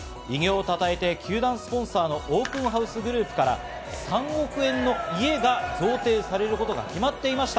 偉業を称えて、球団スポンサーのオープンハウスグループから３億円の家が贈呈されることが決まっていました。